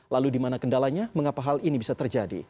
lalu di mana kendalanya mengapa hal ini bisa terjadi